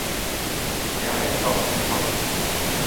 Viņā ir kaut kas labs.